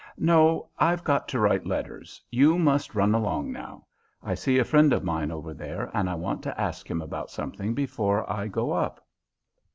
"No, I've got to write letters. You must run along now. I see a friend of mine over there, and I want to ask him about something before I go up."